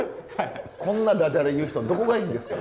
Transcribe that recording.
こんなダジャレ言う人のどこがいいんですか？